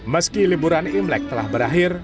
meski liburan imlek telah berakhir